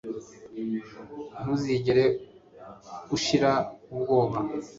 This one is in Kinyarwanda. ntuzigere ushira ubwoba